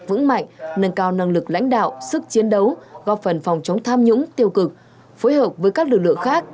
vững mạnh nâng cao năng lực lãnh đạo sức chiến đấu góp phần phòng chống tham nhũng tiêu cực phối hợp với các lực lượng khác